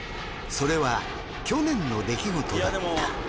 それは去年の出来事だった。